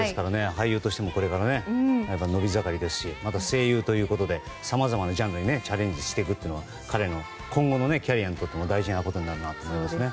俳優としてもこれから伸び盛りですしまた声優ということでさまざまなジャンルにチャレンジしていくのは彼の今後のキャリアにとっても大事なことになるなと思いますね。